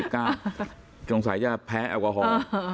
คงใส่จะแพ้แอลกอฮอล์